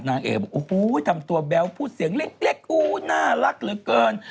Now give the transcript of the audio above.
เอ๋บอกโอ้โหทำตัวแบ๊วพูดเสียงเล็กอู้น่ารักเหลือเกิน